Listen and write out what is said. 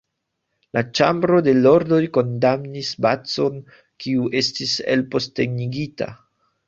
La Ĉambro de Lordoj kondamnis Bacon, kiu estis elpostenigita.